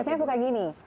nah biasanya suka gini